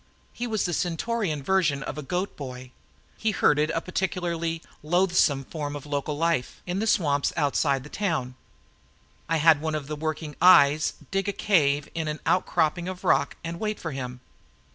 He was the Centaurian version of a goat boy he herded a particularly loathsome form of local life in the swamps outside the town. I had one of the working eyes dig a cave in an outcropping of rock and wait for him.